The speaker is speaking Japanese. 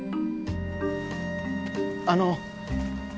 あの。